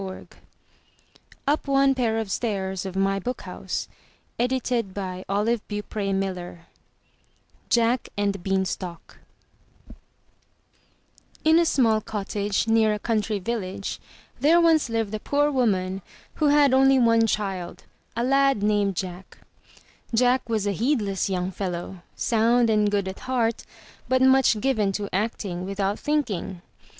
370 UP ONE PAIR OF STAIRS JACK AND THE BEANSTALK* In a small cottage near a country village, there once lived a poor woman who had only one child, a lad named Jack. Jack was a heedless young fellow, sound and good at heart, but much given to acting without thinking.